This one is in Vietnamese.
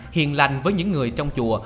hiền lành với những người trong chùa